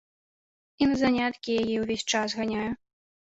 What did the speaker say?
І на заняткі яе ўвесь час ганяю.